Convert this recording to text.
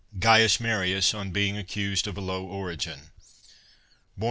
42 CAIUS MARIUS ON BEING ACCUSED OF A LOW ORIGIN* (106B.